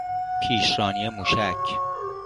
پیشرانی موشک